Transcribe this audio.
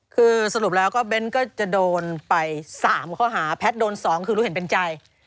คือสรุปแล้วก็เบ้นก็จะโดนไป๓ข้อหาแพทย์โดน๒คือรู้เห็นเป็นใจ